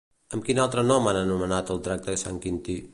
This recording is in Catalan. Amb quin altre nom han anomenat al drac de Sant Quintí?